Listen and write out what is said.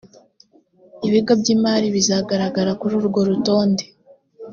ibigo by imari bizagaragara kuri urwo rutonde